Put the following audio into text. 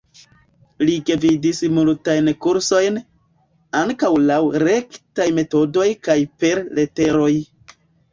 Li gvidis multajn kursojn, ankaŭ laŭ rektaj metodoj kaj per leteroj.